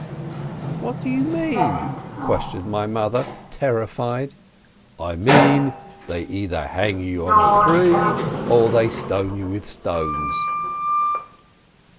"What do you mean?" questioned my mother, ter rified. "I mean, they either hang you on a tree, or they stone you with stones."